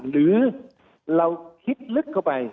หรือเราคิดลึกเข้าไป